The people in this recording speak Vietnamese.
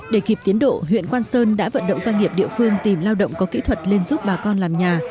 để kịp tiến độ huyện quang sơn đã vận động doanh nghiệp địa phương tìm lao động có kỹ thuật lên giúp bà con làm nhà